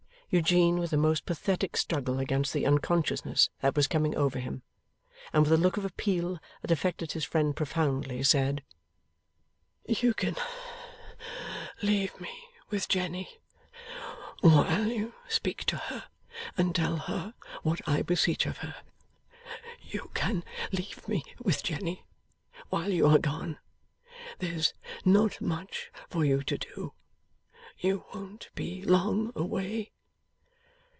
Eugene, with a most pathetic struggle against the unconsciousness that was coming over him, and with a look of appeal that affected his friend profoundly, said: 'You can leave me with Jenny, while you speak to her and tell her what I beseech of her. You can leave me with Jenny, while you are gone. There's not much for you to do. You won't be long away.